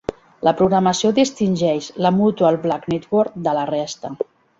La programació distingeix la Mutual Black Network de la resta.